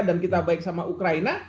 dan kita baik sama ukraina